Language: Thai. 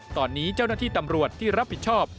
ตอนนี้เจ้าหน้าที่ตำรวจที่รับผิดชอบ